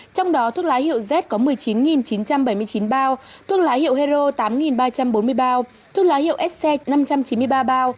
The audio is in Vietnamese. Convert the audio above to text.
trong đó thuốc lá hiệu z có một mươi chín chín trăm bảy mươi chín bao thuốc lá hiệu hero tám ba trăm bốn mươi bao thuốc lá hiệu sc năm trăm chín mươi ba bao